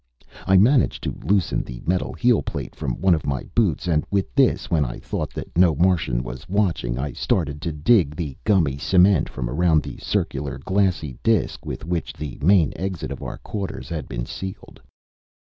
I managed to loosen the metal heel plate from one of my boots, and with this, when I thought that no Martian was watching, I started to dig the gummy cement from around the circular glassy disc with which the main exit of our quarters had been sealed.